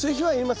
はい。